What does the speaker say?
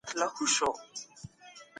ملکيت بايد د خلګو د ګټي لپاره وي.